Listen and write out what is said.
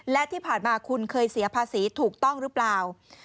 และที่ผ่านมาคุณเคยเสียภาษีถูกต้องหรือเปล่า